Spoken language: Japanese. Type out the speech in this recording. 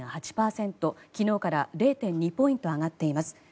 昨日から０．２ポイント上がっています。